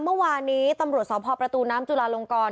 เมื่อวานนี้ตำรวจสพประตูน้ำจุลาลงกร